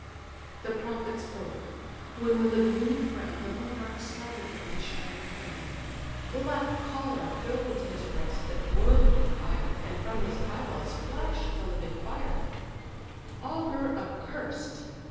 The prophet spoke: when with a gloomy frown The monarch started from his shining throne; Black choler fill'd his breast that boil'd with ire, And from his eye balls flash'd the living fire: "Augur accursed!